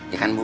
iya kan bu